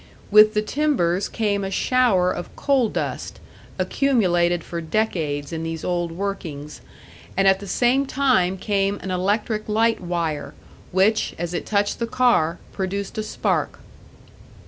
With the timbers came a shower of coal dust, accumulated for decades in these old workings; and at the same time came an electric light wire, which, as it touched the car, produced a spark.